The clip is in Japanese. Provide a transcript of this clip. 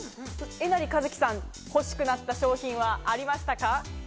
えなりかずきさん、欲しくなった商品はありましたか？